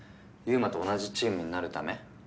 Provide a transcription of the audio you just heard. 馬と同じチームになるため？